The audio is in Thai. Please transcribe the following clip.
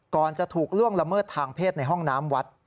จะถูกล่วงละเมิดทางเพศในห้องน้ำวัด